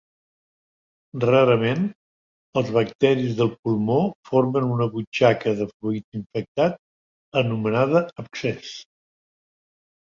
Rarament, els bacteris del pulmó formen una butxaca de fluid infectat anomenada abscés.